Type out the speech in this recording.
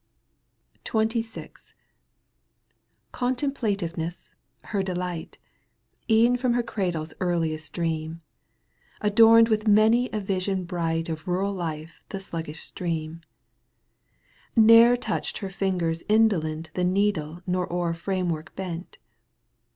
XXVI. \ Contemplativeness, her delight, E'en from her cradle's earliest dream, Adorned with many a vision bright Of rural life the sluggish stream ; Ne'er touched her fingers indolent i ' The needle^nor^ o'er framework bent.